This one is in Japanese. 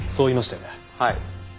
はい。